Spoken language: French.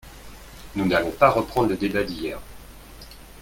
Nous n’allons pas reprendre le débat d’hier.